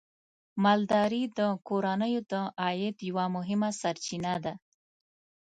مالداري د کورنیو د عاید یوه مهمه سرچینه ده.